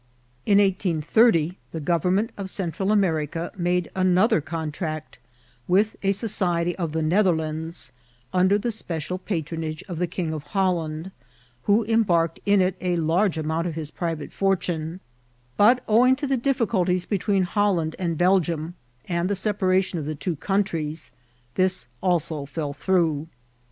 In 1830 the government of Central America made another contract with a society of the Netherlands, un der the special patronage of the King of Holland, who embarked in it a large amount of his private fortune ; but, owing to the difficulties between Holland and Bel gium, and the separation of the two countries, this also fell through.